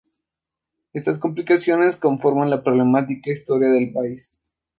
Estas complicaciones conforman la problemática historia del país